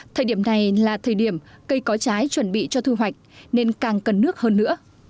thời điểm này là thời điểm cây có trái chuẩn bị cho thu hoạch nên càng cần nước hơn nữa